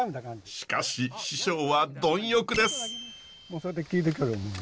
しかし師匠は貪欲です。